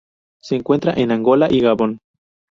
Se encuentra en Angola y Gabón.